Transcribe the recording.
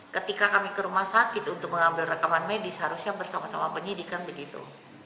ketika kami ke rumah sakit untuk mengambil rekaman medis harusnya bersama sama penyidikan begitu